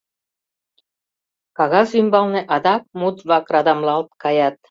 Кагаз ӱмбалне адак мут-влак радамлалт каят.